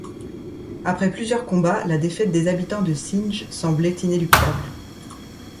Après plusieurs combats, la défaite des habitants de Sinj semblait inéluctable.